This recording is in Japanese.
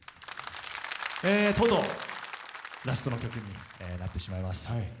とうとうラストの曲になってしまいました。